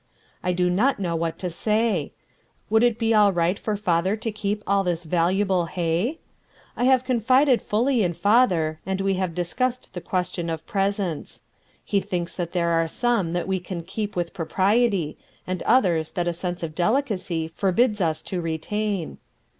I do not know what to say. Would it be right for father to keep all this valuable hay? I have confided fully in father, and we have discussed the question of presents. He thinks that there are some that we can keep with propriety, and others that a sense of delicacy forbids us to retain.